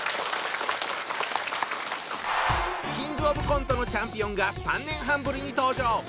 キングオブコントのチャンピオンが３年半ぶりに登場。